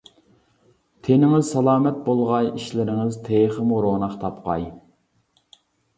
تېنىڭىز سالامەت بولغاي، ئىشلىرىڭىز تېخىمۇ روناق تاپقاي.